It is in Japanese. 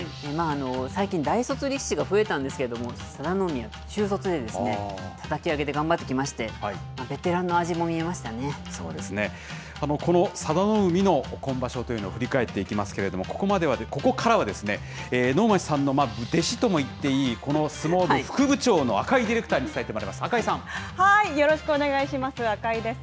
最近、大卒力士が増えたんですけれども、佐田の海は中卒で、たたき上げで頑張ってきまして、ベテそうですね、この佐田の海の今場所というのを振り返っていきますけれども、ここからは能町さんの弟子とも言っていい、この相撲部副部長の赤井ディレクターに伝えてもらいます。